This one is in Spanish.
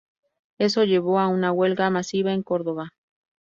Eso llevó a una huelga masiva en Córdoba.